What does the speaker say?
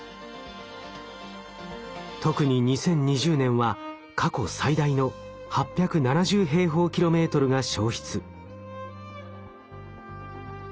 特に２０２０年は過去最大の８７０平方キロメートルが焼失。